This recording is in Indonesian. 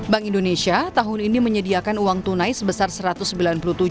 bank indonesia tahun ini menyediakan uang tunai sebesar rp satu ratus sembilan puluh tujuh